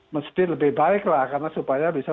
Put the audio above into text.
mesti lebih baik lah karena supaya bisa